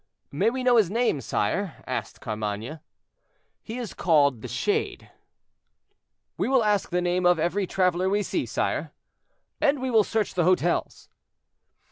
"May we know his name, sire?" asked Carmainges. "He is called 'the Shade.'" "We will ask the name of every traveler we see, sire." "And we will search the hotels."